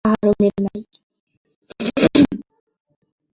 কিন্তু কাহার সঙ্গে কাহারও মিল নাই।